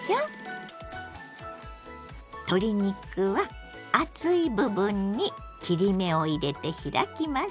鶏肉は厚い部分に切り目を入れて開きます。